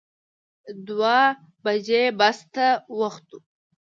دوه بجې بس ته وختو.